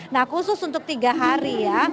nah khusus untuk tiga hari ya